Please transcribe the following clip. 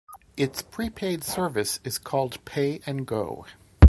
Its prepaid service is called Pay and Go.